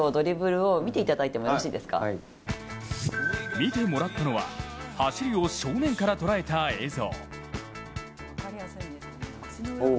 見てもらったのは走りを正面から捉えた映像。